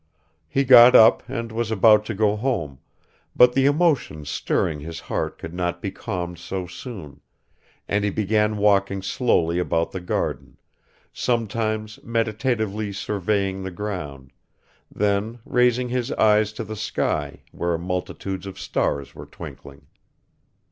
He got up and was about to go home, but the emotions stirring his heart could not be calmed so soon, and he began walking slowly about the garden, sometimes meditatively surveying the ground, then raising his eyes to the sky where multitudes of stars were twinkling.